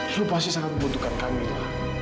lo pasti sangat membutuhkan camilla